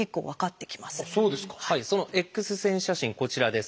そのＸ線写真こちらです。